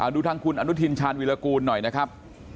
ดูทางคุณอนุทินชาญวิรากูลหน่อยนะครับ